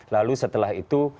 lalu setelah itu